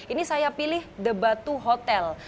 ini saya pilih the batu hotel